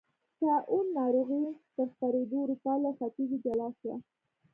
طاعون ناروغۍ تر خپرېدو اروپا له ختیځې جلا شوه.